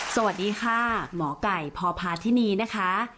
สวัสดีค่ะหมอไก่พพาธินีนะคะ